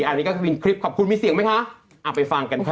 อันนี้ก็คือเป็นคลิปขอบคุณมีเสียงไหมคะเอาไปฟังกันค่ะ